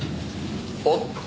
おっ。